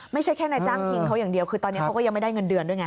ไม่ใช่แค่นายจ้างทิ้งเขาอย่างเดียวคือตอนนี้เขาก็ยังไม่ได้เงินเดือนด้วยไง